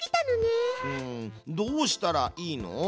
どうしたらいいの？